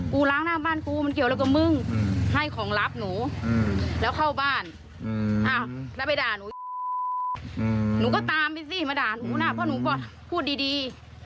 พี่ด่าหนูหนูก็ตามไปสิมาด่าหนูนะเพราะหนูก็พูดดี